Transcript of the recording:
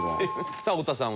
さあ太田さん